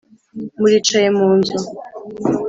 Mulicaye mu nzu